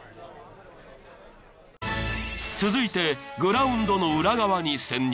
［続いてグラウンドの裏側に潜入］